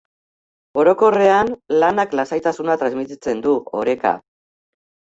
Orokorrean, lanak lasaitasuna transmititzen du, oreka.